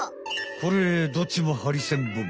これどっちもハリセンボン。